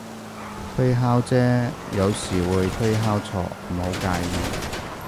推敲啫，有時會推敲錯，唔好介意